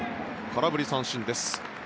空振り三振です。